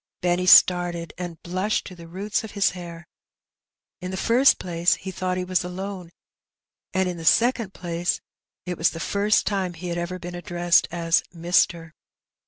'' Benny started, and blushed to the roots of his hair In the first place he thought he was alone, and in the second place it was the first time that he had ever been addressed as '^mister."